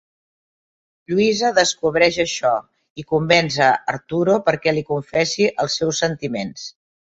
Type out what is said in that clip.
Luisa descobreix això i convenç a Arturo perquè li confessa els seus sentiments.